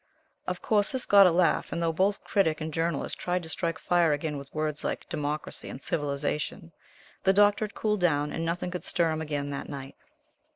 Of course this got a laugh, and though both Critic and Journalist tried to strike fire again with words like "democracy" and "civilization," the Doctor had cooled down, and nothing could stir him again that night.